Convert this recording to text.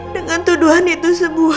dengan tuduhan itu sempurna